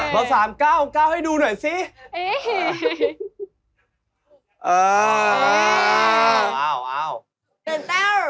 เบาตำ๓๙ให้ดูหน่อยซิ